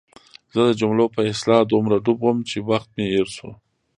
زه د جملو په اصلاح دومره ډوب وم چې وخت مې هېر شو.